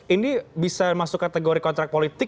ini bisa masuk kategori kontrak politik